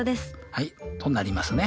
はいとなりますね。